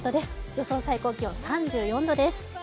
予想最高気温３４度です。